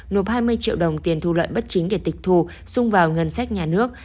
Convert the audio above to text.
nộp hai mươi triệu đồng tiền thu lợi bất chính để tịch thu xung vào ngân sách nhà nước